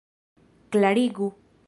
klarigu